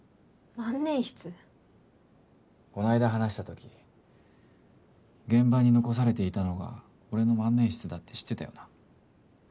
こないだ話した時現場に残されていたのが俺の万年筆だって知ってたよな。